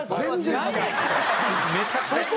めちゃくちゃ下。